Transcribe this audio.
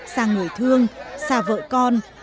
xa người thương xa vợ con